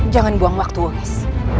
jangan buang waktu wengis